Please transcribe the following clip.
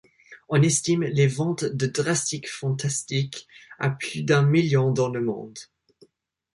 On estime les ventes de Drastic Fantastic à plus d'un million dans le monde.